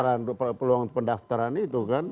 sampai dengan pendaftaran itu kan